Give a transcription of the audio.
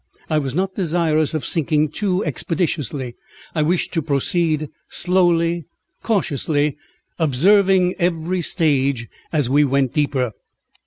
I was not desirous of sinking too expeditiously; I wished to proceed slowly, cautiously, observing every stage as we went deeper.